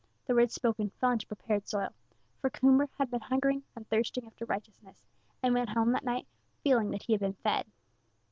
The words spoken fell into prepared soil, for Coomber had been hungering and thirsting after righteousness, and he went home that night feeling that he had been fed.